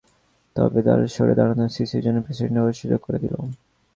তবে তাঁর সরে দাঁড়ানো সিসির জন্য প্রেসিডেন্ট হওয়ার সুযোগ করে দিল।